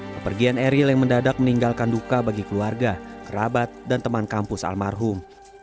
kepergian eril yang mendadak meninggalkan duka bagi keluarga kerabat dan teman kampus almarhum